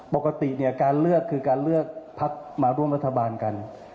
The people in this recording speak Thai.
ปกติเนี่ยการเลือกคือการเลือกพักมาร่วมรัฐบาลกัน